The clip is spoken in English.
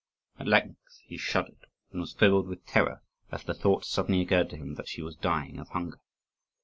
At length he shuddered, and was filled with terror as the thought suddenly occurred to him that she was dying of hunger.